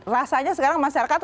rasanya sekarang masyarakat